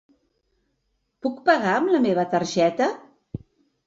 Puc pagar amb la meva targeta?